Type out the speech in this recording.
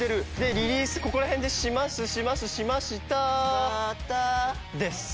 リリースここら辺でしますしますしました。です。